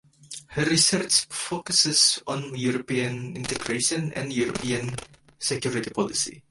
Her research focuses on European integration and European security policy.